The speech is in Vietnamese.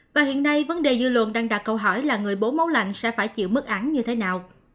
và hiện nay vấn đề dư luận đang đặt câu hỏi là người bố lạnh sẽ phải chịu mức án như thế nào